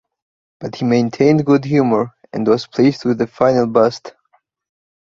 But he maintained good humor, and was pleased with the final bust.